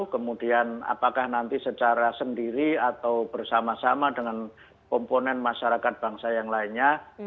kemudian apakah nanti secara sendiri atau bersama sama dengan komponen masyarakat bangsa yang lainnya